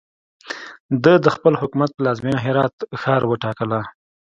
ده د خپل حکومت پلازمینه هرات ښار وټاکله.